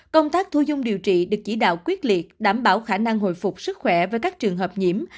công tác thu dung điều trị được chỉ đạo quyết liệt đảm bảo khả năng hồi phục sức khỏe với các trường hợp nhiễm